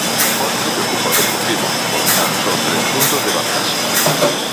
Posto que ocupa o Deportivo, con tan só tres puntos de vantaxe.